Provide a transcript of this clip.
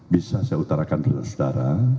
bisa saya utarakan saudara saudara